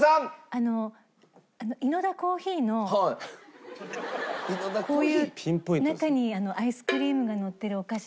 あのイノダコーヒのこういう中にアイスクリームがのってるお菓子。